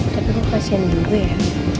tapi kok kasihan dulu ya